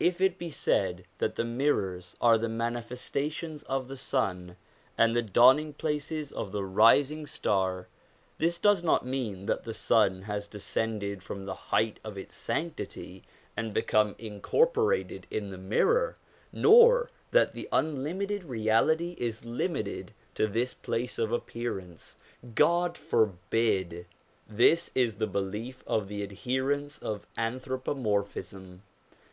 If it be said that the mirrors are the mani festations of the sun and the dawning places of the rising star, this does not mean that the sun has descended from the height of its sanctity and become incorporated in the mirror, nor that the Unlimited Reality is limited to this place of appearance. God forbid ! This is the belief of the adherents of anthro pomorphism.